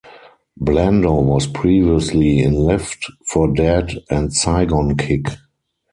Blando was previously in Left For Dead and Saigon Kick.